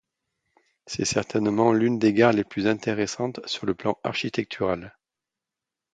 C'est certainement l'une des gares les plus intéressantes sur le plan architectural.